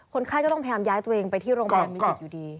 คนไข้ก็ต้องพยายามย้ายตัวเองไปที่โรงพยาบาลมิจิตอยู่ดี